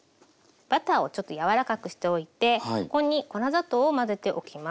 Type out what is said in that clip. バターをちょっと柔らかくしておいてここに粉砂糖を混ぜておきます。